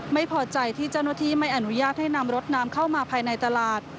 ไม่พอใจที่เจ้าหน้าที่ไม่อนุญาตให้นำรถน้ำเข้ามาภายในตลาด